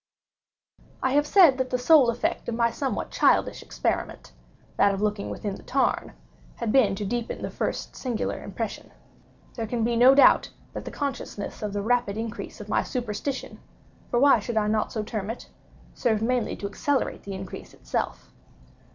I have said that the sole effect of my somewhat childish experiment—that of looking down within the tarn—had been to deepen the first singular impression. There can be no doubt that the consciousness of the rapid increase of my superstition—for why should I not so term it?—served mainly to accelerate the increase itself.